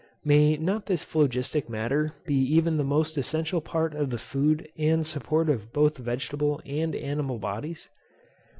May not this phlogistic matter be even the most essential part of the food and support of both vegetable and animal bodies?